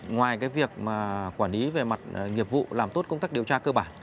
ngoài việc quản lý về mặt nghiệp vụ làm tốt công tác điều tra cơ bản